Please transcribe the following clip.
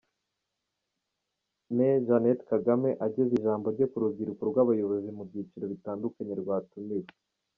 Mme Jeannette Kagame ageza ijambo rye ku rubyriuko rw’abayobozi mu byiciro bitandukanye rwatumiwe